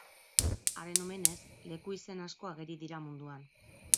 Haren omenez, leku izen asko ageri dira munduan.